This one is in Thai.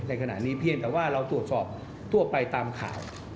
ในขณะนี้เพียงแต่ว่าเราตรวจสอบทั่วไปตามข่าว